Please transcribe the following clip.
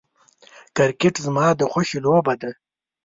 کرکټ زما د خوښې لوبه ده .